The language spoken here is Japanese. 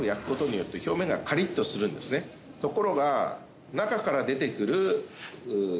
ところが。